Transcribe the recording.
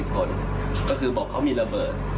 คนก็คือบอกเขามีระเบิด